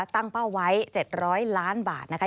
ตั้งเป้าไว้๗๐๐ล้านบาทนะคะ